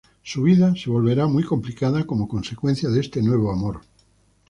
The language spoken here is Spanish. Su vida se volverá muy complicada como consecuencia de este nuevo amor.